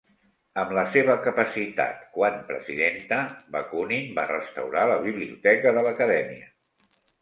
Amb la seva capacitat quan presidenta, Bakunin va restaurar la biblioteca de l'Acadèmia.